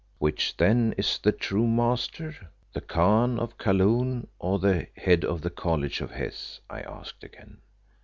"Which then is the true master the Khan of Kaloon or the head of the College of Hes?" I asked again.